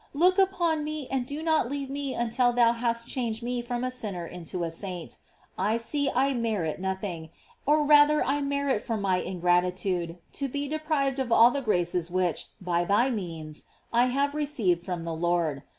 Look upon me, and do not leave me until thou hast changed me from a sinner into a saint. I see I merit noth 38 GLORIES OF MART. ing, or rather I merit for my ingratitude to be deprived of all the graces which, by thy means, I have received from the Lord.